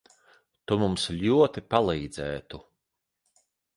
Tu mums ļoti palīdzētu.